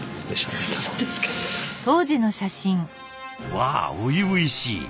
わあ初々しい。